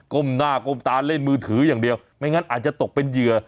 ้มหน้าก้มตาเล่นมือถืออย่างเดียวไม่งั้นอาจจะตกเป็นเหยื่อ